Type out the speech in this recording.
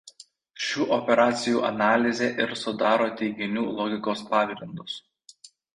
Šių operacijų analizė ir sudaro teiginių logikos pagrindus.